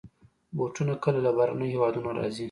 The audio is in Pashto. بوټونه کله له بهرنيو هېوادونو راځي.